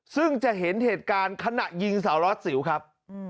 ซึ่งจะเห็นเหตุการณ์ขณะยิงสารวัสสิวครับ